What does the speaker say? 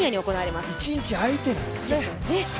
１日空いて、なんですよね。